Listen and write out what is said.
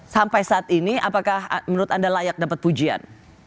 sampai saat ini apakah menurut anda layak dapat pujian